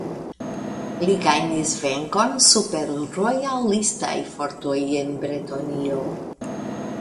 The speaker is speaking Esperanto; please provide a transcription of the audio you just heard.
Li gajnis venkon super rojalistaj fortoj en Bretonio.